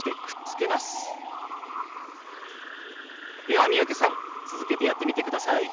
では三宅さん続けてやってみてください。